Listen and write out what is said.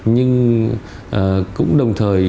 nhưng cũng đồng thời